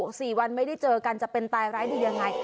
คุณคิดดู๔วันไม่ได้เจอกันจะเป็นตายร้ายได้ยังไง